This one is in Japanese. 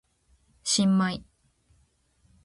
新米